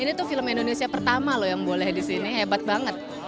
ini tuh film indonesia pertama loh yang boleh di sini hebat banget